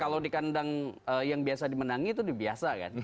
kalau di kandang yang biasa dimenangi itu biasa kan